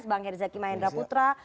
bang herzaki mahendra putra